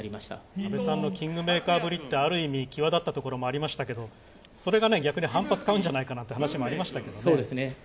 安倍さんのキングメーカーぶりってある意味際立ったところもありましたけど、それが逆に反発を買うんじゃないかというところもありましたね。